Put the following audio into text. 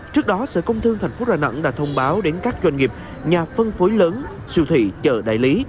trước đó sở công thương tp đà nẵng đã thông báo đến các doanh nghiệp nhà phân phối lớn siêu thị chợ đại lý